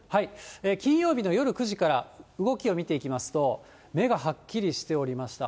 金曜日の夜９時から動きを見ていきますと、目がはっきりしておりました。